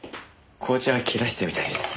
紅茶切らしてるみたいです。